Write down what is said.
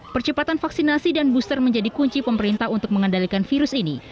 percepatan vaksinasi dan booster menjadi kunci pemerintah untuk mengendalikan virus ini